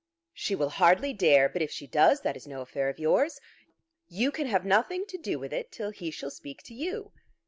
"She will hardly dare. But if she does, that is no affair of yours. You can have nothing to do with it till he shall speak to you."